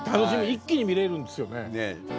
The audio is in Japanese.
一気に見れるんですよね。